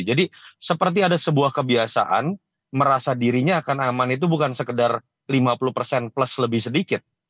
jadi seperti ada sebuah kebiasaan merasa dirinya akan aman itu bukan sekedar lima puluh plus lebih sedikit